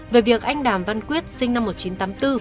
về việc anh đàm văn quyết sinh năm một nghìn chín trăm tám mươi bốn